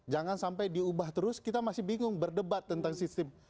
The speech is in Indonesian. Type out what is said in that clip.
jangan sampai diubah terus kita masih bingung berdebat tentang sistem